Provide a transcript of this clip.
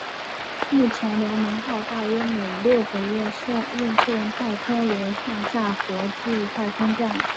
目前联盟号大约每六个月运送太空人上下国际太空站。